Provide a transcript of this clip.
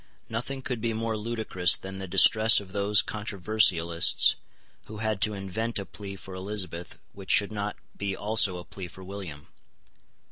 Nothing could be more ludicrous than the distress of those controversialists who had to invent a plea for Elizabeth which should not be also a plea for William.